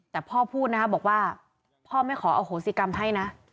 แต่พ่อพูดนะครับบอกว่าพ่อไม่ขออโหสิกรรมให้นะ